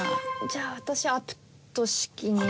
じゃあ私アプト式に。